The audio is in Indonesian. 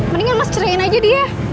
mendingan mas cerahin aja dia